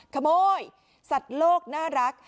ขโมยสัตว์โลกน่ารัก